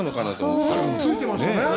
ついてましたね。